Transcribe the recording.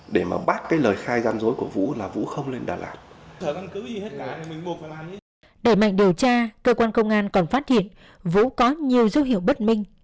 đẩy mạnh điều tra cơ quan công an còn phát hiện vũ có nhiều dấu hiệu bất minh